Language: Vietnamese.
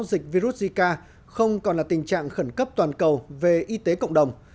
dịch virus zika không còn là tình trạng khẩn cấp toàn cầu về y tế cộng đồng